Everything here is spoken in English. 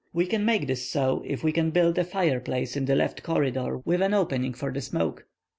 We can make this so if we can build a fireplace in the left corridor with an opening for the smoke."